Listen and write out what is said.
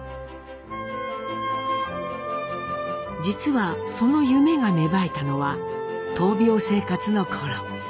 実はその夢が芽生えたのは闘病生活の頃。